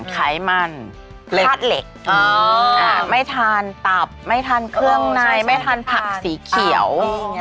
ไขมันธาตุเหล็กไม่ทานตับไม่ทานเครื่องในไม่ทานผักสีเขียว